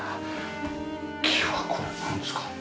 木はこれなんですか？